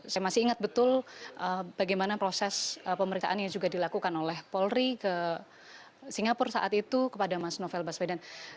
saya masih ingat betul bagaimana proses pemeriksaan yang juga dilakukan oleh polri ke singapura saat itu kepada mas novel baswedan